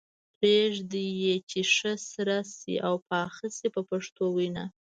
پرېږدي یې چې ښه سره شي او پاخه شي په پښتو وینا.